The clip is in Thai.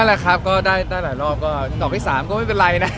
แหละครับก็ได้หลายรอบก็ดอกที่๓ก็ไม่เป็นไรนะ